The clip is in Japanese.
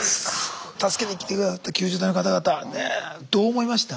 助けに来て下さった救助隊の方々ねどう思いました？